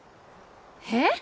えっ！？